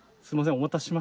お待たせしました？